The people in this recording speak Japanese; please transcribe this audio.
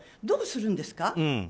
どうするんですか。